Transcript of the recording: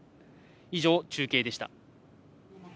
以上、中継でした。